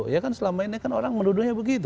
ya kan selama ini kan orang menuduhnya begitu